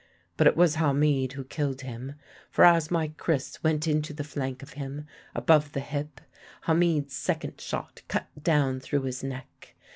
But it was Hamid who killed him. For as my kris went into the flank of him, above the hip, Hamid's second shot cut down through his neck.